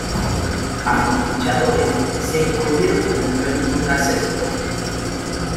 Ambos luchadores se envolvieron en un feudo tras esto.